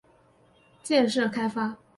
建设开发股份有限公司